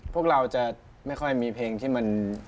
พวกเราจะไม่ค่อยมีเพลงที่มัน